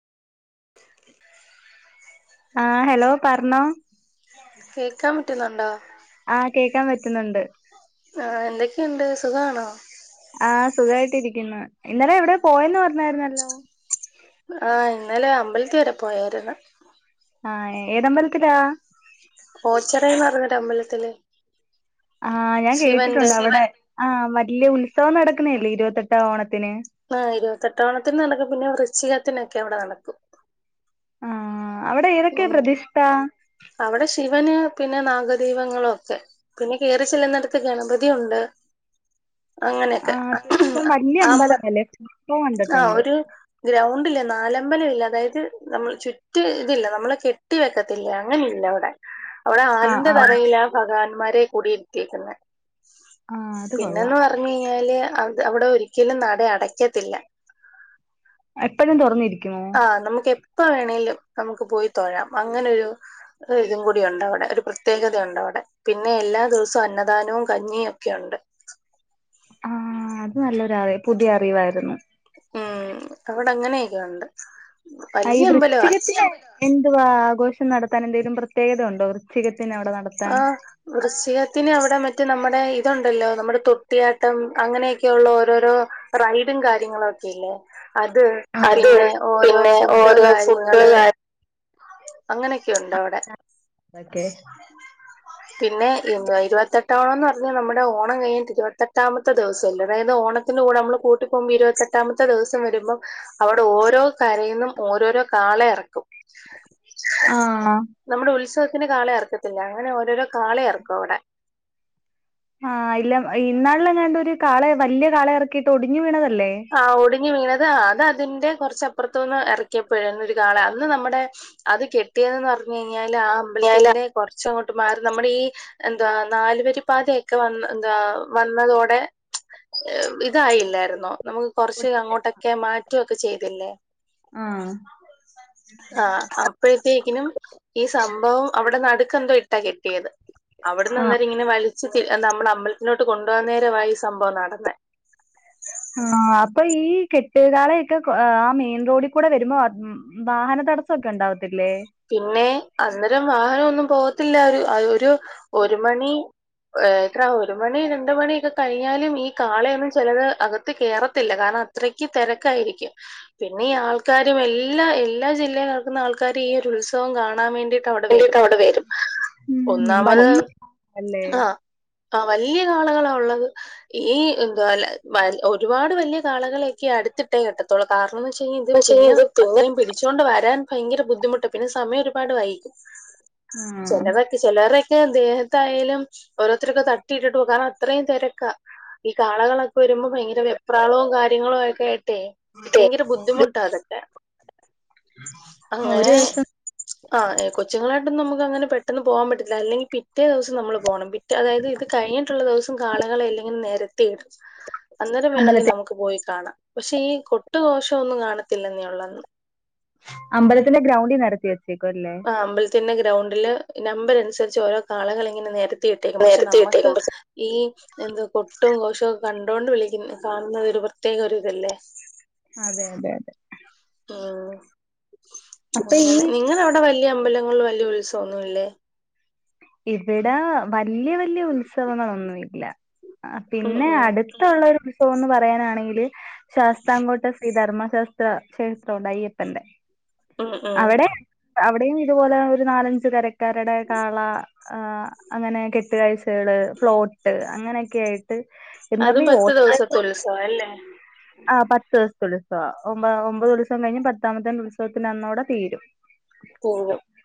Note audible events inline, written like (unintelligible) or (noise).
ആഹ് hello പറഞ്ഞോ. കേക്കാൻ പറ്റുന്നുണ്ടോ? ആഹ് കേക്കാൻ പറ്റുന്നുണ്ട്. ആഹ് എന്തൊക്കെയുണ്ട്. സുഖമാണോ? ആഹ് സുഖമായിട്ടിരിക്കുന്നു. ഇന്നലെ ഇവിടെയോ പോയന്ന് പറഞ്ഞായിരുന്നല്ലോ. ആഹ് ഇന്നലെ അമ്പലത്തിൽ വരെ പോയായിരുന്നു. ആഹ് ഏതമ്പൽത്തിലാ ഓച്ചെറേന്നർഞൊരു അമ്പലത്തില് ആഹ് ഞാൻ ശിവന്റെ കേട്ടിട്ടുണ്ട് അവ്ടെ ആ വല്യയ ഉത്സവം നടക്കുന്നല്ലേ ഇരുവെത്തെട്ടാം ഓണത്തിന് ആഹ് ഇരുവത്തെട്ടോണത്തിന് നടക്കും പിന്നെ വൃക്ഷികത്തിനൊക്കെ അവിടെ നടക്കും അവ്ടെ ഏതെക്കെ പ്രതിഷ്ഠ അവ്ടെ ശിവന് പിന്നെ നാഗദൈവങ്ങളൊക്കെ പിന്നെ കേറി ചെല്ല്ന്നിടത്ത് ഗണപതി ഉണ്ട് അങ്ങനെയൊക്കെ ആഹ് അത്യാവശ്യം വല്യ അമ്പ അമ്പലമല്ലേ ഫോട്ടോ ആഹ് കണ്ടിട്ടുണ്ട് ഒരു ഗ്രൗണ്ടില്ല നാലമ്പലല്ല അതായത് നമ്മള് ചുറ്റ് ല്ല ല്ല നമ്മള് കെട്ടി വെക്കത്തില്ല അങ്ങനില്ലവ്ടെ അവിടെ ആഹ് ആലിന്റെ ആഹ് തറയില ഭഗവാന്മാരെ കുടി ഇര്ത്തിയേക്ക്ന്നെ ആഹ് അത് കൊള്ളാം പിന്നന്ന് പറഞ്ഞ് കയി പിന്നെല്ലെ അത് അവിടെ ഒരിക്കലും നട അടയ്ക്കത്തില്ല എപ്പഴും തൊറന്നിരിക്കുമോ ആഹ് നമുക്ക് എപ്പ വേണേലും നമുക്ക് പോയി തോഴാം അങ്ങനൊരു ഹ് ഇതും കൂടിയുണ്ടവടെ ഒരു പ്രത്യേകതയുണ്ട് അവടെ പിന്നെ എല്ലാ ദിവസു അന്നദാനവും കഞ്ഞിയും ഒക്കെയുണ്ട് ആഹ് അത് നല്ലൊരാവെ പുതിയ അറിവായിരുന്നു ഉം അവ്ടെ അങ്ങനെയൊക്കെയുണ്ട് അയ് (unintelligible) എന്തുവാ ആഘോഷം നടത്താൻ എന്തെലും പ്രത്യേകത ഉണ്ടോ വൃച്ചികത്തിന് അവ്ടെ നട ആഹ് വൃക്ഷികത്തിന് അവിടെ മറ്റേ നമ്മുടെ ഇതുണ്ടല്ലോ നമ്മുടെ തൊട്ടിയാട്ടം അങ്ങനെയൊക്കെയുള്ള ഓരോരോ പ്രവിഡും കാര്യങ്ങളൊക്കെ ഇല്ലേ അത് അത് പിന്നെ ഓരോ പിന്നെ ഫുഡ്ഡ് ഓരോ ഫുഡ് കാര്യങ്ങള് അങ്ങനെക്കെ ഉണ്ട് അവടെ ഓക്കെ പിന്നെ ഇൻവെ ഇരുവെത്തെട്ടാം ഓണംന്ന് പറഞ്ഞാൽ നമ്മുടെ ഓണം കഴിഞ്ഞിട്ട് ഇരുവെത്തെട്ടാമത്തെ ദിവസല്ലെ അതായത് ഓണ ത്തിന്റെ കൂടെ നമ്മള് കൂട്ടി പോവുമ്പോ ഇരുവെത്തെട്ടാമത്തെ ദിവസം വരുമ്പം അവ്ടെ ഓരോ കരയിന്നും ഓരോരോ കാളെ ഇറക്കും ആഹ് നമ്മള് ഉത്സവത്തിന് കാളെ ഇറക്കത്തില്ലെ അങ്ങനെ ഓരോരോ കാള എറ്ക്കും അവ്ടെ ആഹ് ഇല്ല ഇന്നാൾലെങ്ങാണ്ട് ഒരു കാളെ വല്യയ കാള ഇറക്കിയിട്ട് ഒടിഞ്ഞുവീണതല്ലേ ആഹ് ഒടിഞ്ഞ് വീണത് അത് അതിന്റെ കൊറച്ചപ്പുറത്ത്ന്ന് എറക്കിയപ്പഴ അന്നൊരു കാള അന്ന് നമ്മുടെ അത് കെട്ടിയതെന്ന് പറഞ്ഞഴിഞ്ഞാല് ആ ഞാലാ അമ്പൽത്തിന്റെ കൊർച്ച അങ്ങോട്ട്മാറി നമ്മള് ഈ എന്താ നാലുവരി പാതയൊക്കെ വന്ന് എന്താ വന്നതോടെ ഇതായില്ലാര്ന്നോ നമുക്ക് കൊർച്ച് അങ്ങോട്ടൊക്കെ മാറ്റുവൊക്കെ ചെയ്തില്ലേ ഉം ആഹ് അപ്പഴ്ത്തേക്കിനും ഈ സംഭവം അവ്ടെ നടുക്കെന്തോ ഇട്ടാ കെട്ടിയത് അവ്ട്ന്ന് ആഹ് അന്നേരം ഇങ്ങനെ വലിച്ച് തി നമ്മുളെ അമ്പൽത്തിലോട്ട് കൊണ്ടവന്നേരവാ ഈ സംഭവംനടന്നെ ആഹ് അപ്പൊ ഈ കെട്ടുകാളയൊക്കെ കൊ ആ മെയിൻ റോഡിക്കൂടെ വരുമോ മ് മ് വാഹന തടസ്സക്കെണ്ടാവത്തില്ലേ പിന്നെ അന്നരം വാഹന ഒന്നും പോകത്തില്ല ഒരു ഒരു ഒരു മണി ഏഹ് എത്ര ഒരു മണി രണ്ട് മണിയൊക്കെ കഴിഞ്ഞാലും ഈ കാളയൊന്നും ചെലത് അക ത്ത് കേറത്തില്ല കാരണം അത്രയ്ക്ക് തെരക്കായിരിക്കും പിന്നെ ഈ ആൾക്കാരും എല്ലാ എല്ലാ ജില്ലേൽ നടക്കുന്ന ആൾക്കാരു ഈ ഒരു ഉത്സവം കാണാൻ വേണ്ടി ട്ടവ്ടെ വേണ്ടിട്ട് വെരും അവിടെ വരും ഉം ഒന്നാമത് വല്യ അല്ലേ ആഹ് ആഹ് വല്യ കാളകളാ ഉള്ളത് ഈ എന്താല വ ഒരുപാട് വല്യ കാളകളെക്കെ അടുത്തിട്ടേ കെട്ട ത്തൊള്ളു കാരണന്ന് വെച്ചയ്ഞാ ഇത് പിന്ന അത്രയും പിടിച്ചോണ്ട് വരാൻ ഭയങ്കര ബുദ്ധിമുട്ട് പിന്നെ സമയൊരുപാട് വൈകും ആഹ് ചെലത് ചെലരൊക്കെ ദേഹത്തായാലും, ഓരോത്തരൊക്കെ തട്ടി ഇട്ടിട്ട് പോവും. കാരണം അത്രയും തിരക്കാ. ഈ കാളകളൊക്കെ വരുമ്പോ ഭയങ്കര വെപ്രാളവും കാര്യങ്ങളൊക്കെ ആയിട്ടെ. ഭയങ്കര ബുദ്ധിമുട്ടാ അതൊക്ക, ഒരു അങ്ങനെ ദിവസം ആഹ് കൊച്ചുങ്ങളായിട്ടൊന്നും നമുക്ക് അങ്ങനെ പെട്ടെന്ന് പോകാൻ പറ്റത്തില്ല അല്ലെങ്കി പി റ്റേ ദിവസം നമ്മള് പോണം. പിറ്റെ അതായത് ഇത് കഴിഞ്ഞിട്ടുള്ള ദിവസം കാളകളെയെല്ലം നെരത്തിയിടും. അന്നേരം വേണങ്കി അമ്പലത്തി നമു പോയി കാണാം പക്ഷെ ഈ കൊട്ട് ഘോഷം ഒന്നും കാണത്തില്ലെന്നേ ഉള്ളൂ. അമ്പലത്തിന്റെ ഗ്രൗണ്ടിൽ നടത്തി വെച്ചേക്കും അല്ലേ. അമ്പലത്തിലെ ഗ്രൗണ്ടില് നമ്പർ അനുസരിച്ച് ഓരോ കാളകളെ ഇങ്ങനെ നിരത്തി ഇട്ടേക്കും. പക്ഷെ, നേരത്തി ഇട്ടേക്കും നമ്മുക്ക് പക്ഷെ ഈ എന്ത് കൊട്ടും ഘോഷവും ഒക്കെ കണ്ടോണ്ട് വിളിക്കുന്ന, കാണുന്ന ഒരു പ്രത്യേക ഒരു ഇതല്ലേ അതെ അതെ അതെ ഉം. അപ്പൊ ഈ അങ്ങനെ, നിങ്ങളവിടെ വലിയ അമ്പലങ്ങളും വലിയ ഉത്സവമൊന്നുമില്ലേ. ഇവിടെ വലിയ വലിയ ഉത്സവങ്ങളൊന്നുംല്ല ഉം പിന്നെ ഉം അടുത്ത ഇഷ്ടമുള്ള ഒരു ഉത്സവം എന്ന് പറയാനാണെങ്കില് ശാസ്താംകോട്ട ശ്രീധർമ്മശാസ്ത്ര ക്ഷേത്രം ഉണ്ട് അയ്യപ്പന്റെ ഉം ഉം അവിടെ, അവിടെയും ഇതുപോലെ ഒരു നാലഞ്ച് കരക്കാരുടെ കാള ആ അങ്ങനെ കെട്ടുകാഴ്ചകള്, പ്ലോട്ട്, അങ്ങനെയൊക്കെയായിട്ട് എന്നാലും ഈ ഒറ്റക്ക് ഓ അതല്ലേ ആ് പത്ത് ദിവസത്തെ ഉത്സവം ഒമ്പതാം. ഒമ്പത് ഉത്സവം കഴിഞ്ഞ് പത്താമത്തെന്റെ ഉത്സവത്തിൻ്റന്നൂടെ തീരും ഓ